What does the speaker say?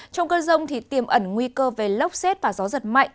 trong cơn rông thì tiềm ẩn nguy cơ về lốc xét và gió giật mạnh